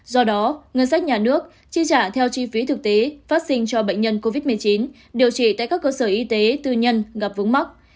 do đó ngân sách nhà nước chi trả theo chi phí thực tế phát sinh cho bệnh nhân covid một mươi chín điều trị tại các cơ sở y tế tư nhân gặp vướng mắt